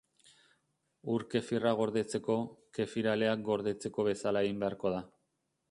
Ur-Kefirra gordetzeko, kefir aleak gordetzeko bezala egin beharko da.